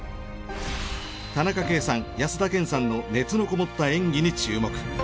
田中圭さん安田顕さんの熱のこもった演技に注目。